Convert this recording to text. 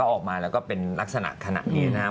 ก็ออกมาแล้วก็เป็นลักษณะขนาดนี้นะฮะ